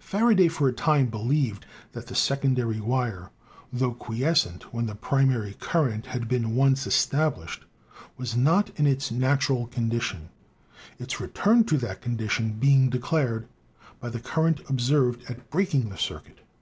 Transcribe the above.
Faraday, for a time, believed that the secondary wire, tho quiescent when the primary current had been once established, was not in its natural condition, its return to that condition being declared by the current observed at breaking the circuit.